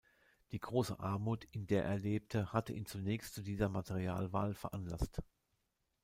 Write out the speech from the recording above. Die große Armut, in der er lebte, hatte ihn zunächst zu dieser Materialwahl veranlasst.